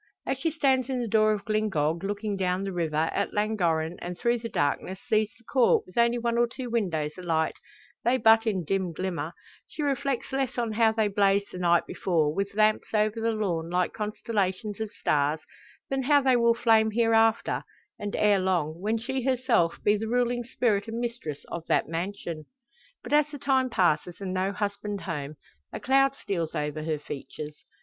As she stands in the door of Glyngog, looking down the river, at Llangorren, and through the darkness sees the Court with only one or two windows alight they but in dim glimmer she reflects less on how they blazed the night before, with lamps over the lawn like constellations of stars, than how they will flame hereafter, and ere long when she herself be the ruling spirit and mistress of that mansion. But as the time passes and no husband home, a cloud steals over her features.